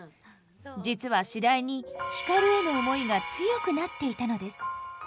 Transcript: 実は次第に光への思いが強くなっていたのです。